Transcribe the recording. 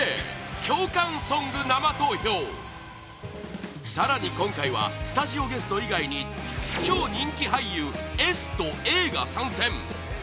共感ソング生投票更に今回はスタジオゲスト以外に超人気俳優ＳとＡが参戦！